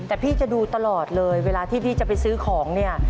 แต่พี่จะดูตลอดเลยเวลาที่พี่จะไปซื้อของเนี่ย